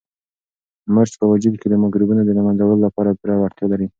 مرچ په وجود کې د مکروبونو د له منځه وړلو لپاره پوره وړتیا لري.